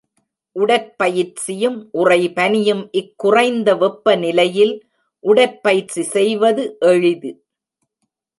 உடற்பயிற்சியும் உறைபனியும் இக்குறைந்த வெப்ப நிலையில் உடற்பயிற்சி செய்வது எளிது.